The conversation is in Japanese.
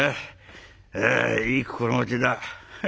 いい心持ちだ。